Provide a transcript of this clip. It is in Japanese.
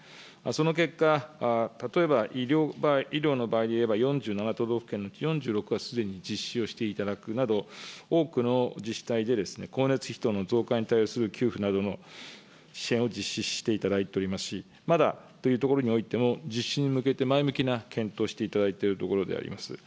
その結果、例えば医療の場合で言えば、４７都道府県のうち４６はすでに実施をしていただくなど、多くの自治体で光熱費等との増加に対する給付などの支援を実施していただいておりますし、まだというところにおいても、実施に向けて前向きな検討をしていただいているところであります。